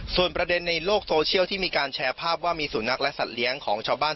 ส่วนประเด็นในโลกโซเชียลที่มีการแชร์ภาพว่ามีสุนัขและสัตว์เลี้ยงของชาวบ้าน